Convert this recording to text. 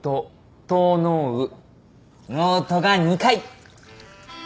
「ノウト」が２回。